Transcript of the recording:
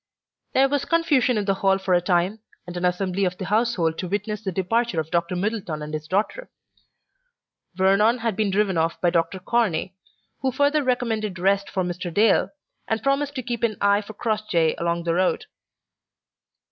There was confusion in the hall for a time, and an assembly of the household to witness the departure of Dr. Middleton and his daughter. Vernon had been driven off by Dr. Corney, who further recommended rest for Mr. Dale, and promised to keep an eye for Crossjay along the road.